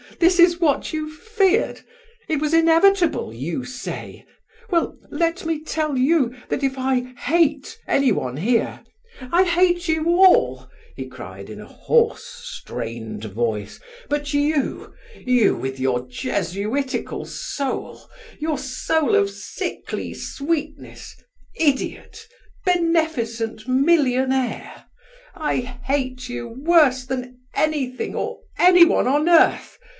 that is what you feared! It was inevitable, you say! Well, let me tell you that if I hate anyone here—I hate you all," he cried, in a hoarse, strained voice—"but you, you, with your jesuitical soul, your soul of sickly sweetness, idiot, beneficent millionaire—I hate you worse than anything or anyone on earth!